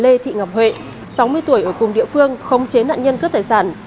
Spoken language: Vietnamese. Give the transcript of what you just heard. lê thị ngọc huệ sáu mươi tuổi ở cùng địa phương không chế nạn nhân cướp tài sản